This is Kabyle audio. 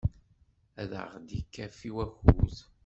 Ad aɣ-d-ikafi wakud.